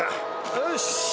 よし！